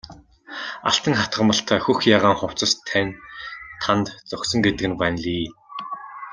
Алтан хатгамалтай хөх ягаан хувцас тань танд зохисон гэдэг нь ванлий!